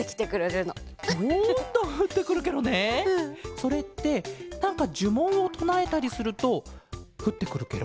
それってなんかじゅもんをとなえたりするとふってくるケロ？